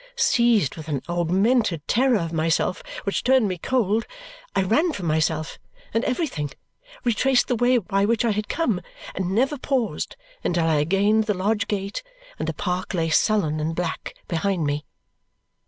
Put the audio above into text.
Seized with an augmented terror of myself which turned me cold, I ran from myself and everything, retraced the way by which I had come, and never paused until I had gained the lodge gate, and the park lay sullen and black behind me.